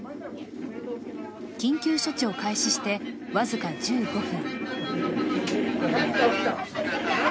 緊急処置を開始して僅か１５分。